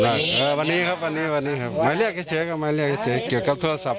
นั่นเออวันนี้ครับวันนี้วันนี้ครับไม่เรียกเกี่ยวกับโทรศัพท์